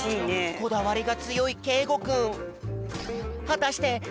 こだわりがつよいけいごくん。